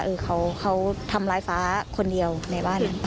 เออเขาทำร้ายฟ้าคนเดียวในบ้านนั้น